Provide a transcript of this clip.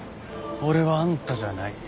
俺はあんたじゃない。